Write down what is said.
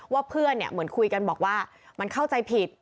ว่าเพื่อนเหมือนคุยกันบอกว่ามันเข้าใจผิด